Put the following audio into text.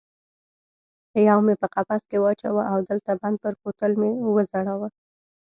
یو مې په قفس کې واچاوه او د لته بند پر کوتل مې وځړاوه.